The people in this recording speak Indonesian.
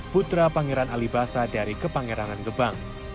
putra pangeran alibasa dari kepengerangan gebang